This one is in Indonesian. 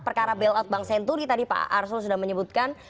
perkara bailout bank senturi tadi pak arsul sudah menyebutkan